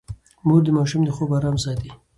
مور د ماشوم د خوب ارام ساتي.